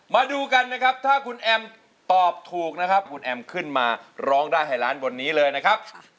มาดูกันนะครับถ้าคุณแอมตอบถูกนะครับคุณแอมขึ้นมาร้องได้ให้ล้านบนนี้เลยนะครับ